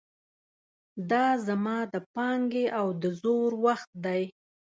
دا زمان د پانګې او د زرو وخت دی.